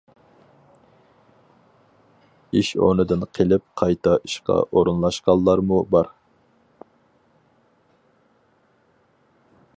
ئىش ئورنىدىن قېلىپ قايتا ئىشقا ئورۇنلاشقانلارمۇ بار.